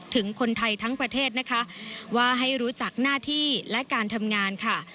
ถึงคนไทยทั้งประเทศนะคะว่าให้รู้จักหน้าที่และการทำงานค่ะ